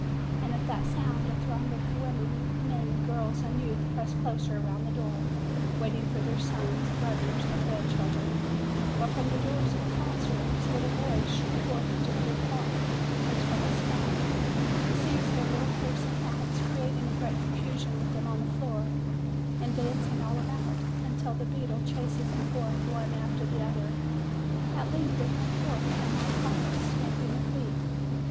And at that sound a throng of THE DEAF MUTE 299 women, men, girls, and youths press closer around the door, waiting for their sons, brothers, or grandchildren ; while from the doors of the class rooms little boys shoot forth into the big hall, as from a spout, seize their little capes and hats, creating a great confusion with them on the floor, and dancing all about, until the beadle chases them forth one after the other. At length they come forth, in long files, stamping their feet.